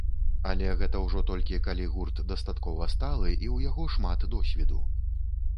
Але гэта ўжо толькі калі гурт дастаткова сталы і ў яго шмат досведу.